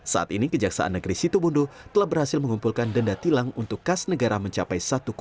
saat ini kejaksaan negeri situbondo telah berhasil mengumpulkan denda tilang untuk kas negara mencapai